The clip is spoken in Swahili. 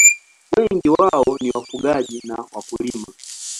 Wengi wao ni wafugaji na wakulima.